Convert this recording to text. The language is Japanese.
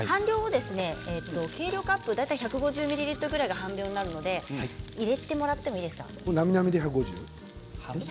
計量カップ１５０ミリリットルの半分になりますので入れてもらっていいですか。